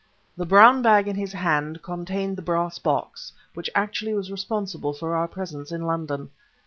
The brown bag in his hand contained the brass box which actually was responsible for our presence in London.